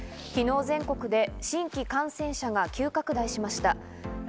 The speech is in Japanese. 昨日全国で新規感染者が急拡大しました。